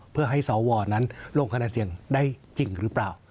เพื่อให้สวนั้นลงคะแนนเสียงได้จริงหรือเปล่า